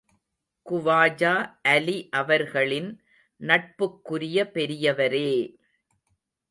குவாஜா அலி அவர்களின் நட்புக்குரிய பெரியவரே!